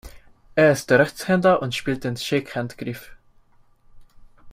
Er ist Rechtshänder und spielt den Shakehand-Griff.